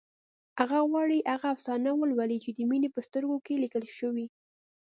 هغه غواړي هغه افسانه ولولي چې د مينې په سترګو کې لیکل شوې